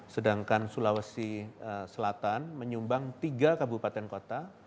sedangkan sulawesi selatan menyumbang tiga kabupaten kota